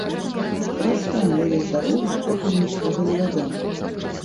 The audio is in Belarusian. Пра стан яе здароўя пакуль нічога невядома.